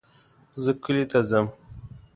زه کلي ته ځم